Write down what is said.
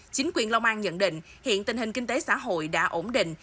chính quyền long an nhận định hiện tình hình kinh tế xã hội đã ổn định